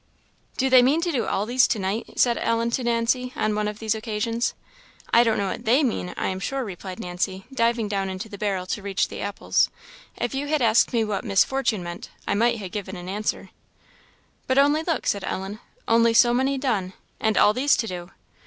"Do they mean to do all these to night?" said Ellen to Nancy, on one of these occasions. "I don't know what they mean, I am sure," replied Nancy, diving down into the barrel to reach the apples; "if you had asked me what Miss Fortune meant, I might ha' given a guess." "But only look," said Ellen "only so many done, and all these to do!